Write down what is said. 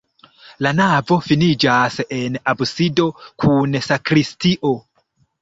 La navo finiĝas en absido kun sakristio.